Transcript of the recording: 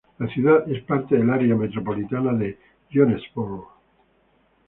La ciudad es parte del área metropolitana de Jonesboro.